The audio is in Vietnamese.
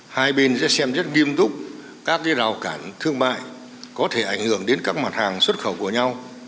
hai bên sẽ xem rất nghiêm túc các rào cản thương mại có thể ảnh hưởng đến các mặt hàng xuất khẩu của nhau